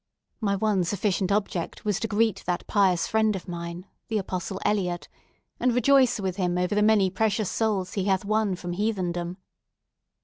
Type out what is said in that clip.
My one sufficient object was to greet that pious friend of mine, the Apostle Eliot, and rejoice with him over the many precious souls he hath won from heathendom!"